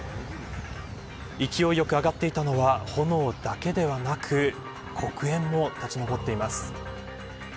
勢いよく上がっていたのは炎だけではなく黒煙も立ち上っています。